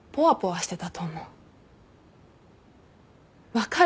分かる？